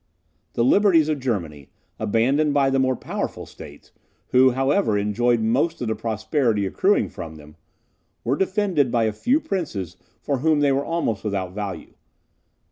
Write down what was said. The liberties of Germany, abandoned by the more powerful states, who, however, enjoyed most of the prosperity accruing from them, were defended by a few princes for whom they were almost without value.